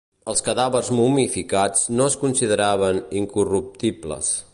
Els cadàvers momificats no es consideraven incorruptibles.